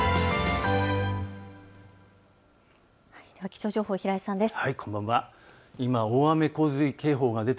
気象情報、平井さんです。